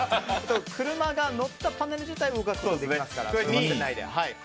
車が乗ったパネル自体も動かすことができます。